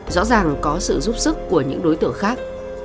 rõ ràng có sự giúp sức của những đối tượng khác